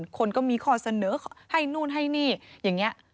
คนก็มีข้อเสนอให้นู่นให้นี่อย่างนี้